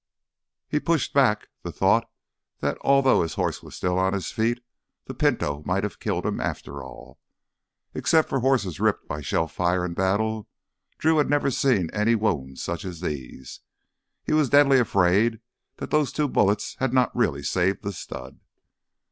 He pushed back the thought that although his horse was still on its feet, the Pinto might have killed him, after all. Except for horses ripped by shellfire in battle, Drew had never seen any wounds such as these. He was deadly afraid that those two bullets had not really saved the stud.